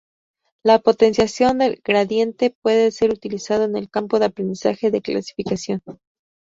La potenciación del gradiente puede ser utilizado en el campo de aprendizaje de clasificación.